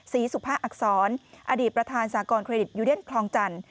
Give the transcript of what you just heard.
สุภาอักษรอดีตประธานสากรเครดิตยูเดนคลองจันทร์